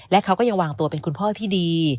และเขาก็ยังวางตัวเป็นคุณพ่อที่ดี